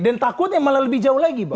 dan takutnya malah lebih jauh lagi bang